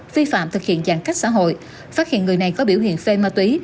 vi phạm thực hiện giãn cách xã hội phát hiện người này có biểu hiện phê ma túy